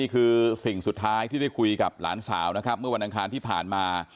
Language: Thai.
คือสิ่งสุดท้ายที่ได้คุยกับหลานสาวนะครับเมื่อวันอังคารที่ผ่านมา